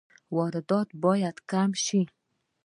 واردات باید کم شي